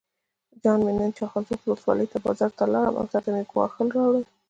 جان مې نن چخانسور ولسوالۍ بازار ته لاړم او تاته مې ګوښال راوړل.